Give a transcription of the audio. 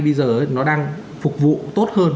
bây giờ nó đang phục vụ tốt hơn